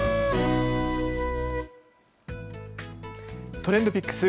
ＴｒｅｎｄＰｉｃｋｓ。